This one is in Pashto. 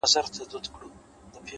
لم د انسان ارزښت زیاتوي